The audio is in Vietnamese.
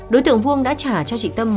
đối tượng vuông đã trả cho chị tâm